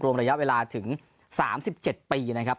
ระยะเวลาถึง๓๗ปีนะครับ